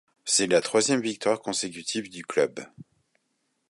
C'est la troisième victoire consécutive du club.